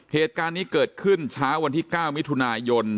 เหตุการณ์นี้เกิดขึ้นเช้าวันที่๙มิถุนายน